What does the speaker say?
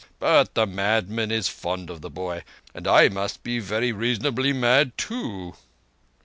But the madman is fond of the boy; and I must be very reasonably mad too."